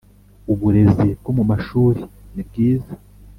Uburezi bwo mu mashuri ni bwiza